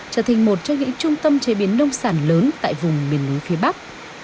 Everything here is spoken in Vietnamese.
trở thành một trong những trung tâm chế biến nông sản lớn tại vùng miền núi phía bắc